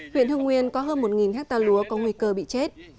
huyện hưng nguyên có hơn một hectare lúa có nguy cơ bị chết